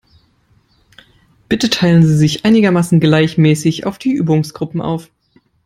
Bitte teilen Sie sich einigermaßen gleichmäßig auf die Übungsgruppen auf.